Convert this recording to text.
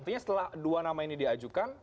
tinggal bagaimana kemudian memerintahkan